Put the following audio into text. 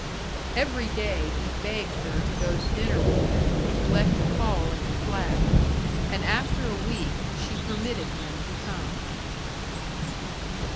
Every day he begged her to go to dinner with him, to let him call at the flat, and after a week she permitted him to come.